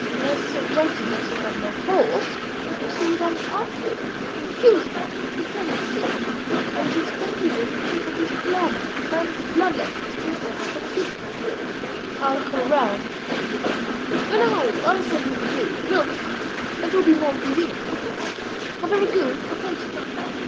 And as she objected that she had no horse, Monsieur Rodolphe offered one. She refused his offer; he did not insist. Then to explain his visit he said that his ploughman, the man of the blood letting, still suffered from giddiness. "I'll call around," said Bovary. "No, no! I'll send him to you; we'll come; that will be more convenient for you." "Ah! very good! I thank you."